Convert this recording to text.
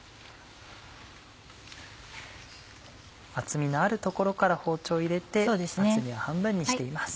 厚みのあるところから包丁を入れて厚みを半分にしています。